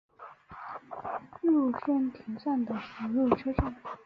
入生田站的铁路车站。